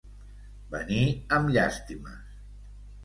Venir amb llàstimes.